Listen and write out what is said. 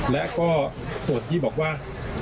และก็ส่วนที่บอกว่า